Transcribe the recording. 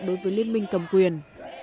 đối với liên minh cầm quyền